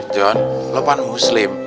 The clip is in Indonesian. john lu bukan muslim